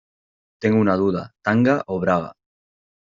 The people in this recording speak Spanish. tengo una duda, ¿ tanga o braga?